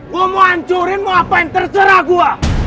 gua mau hancurin mau apaan terserah gua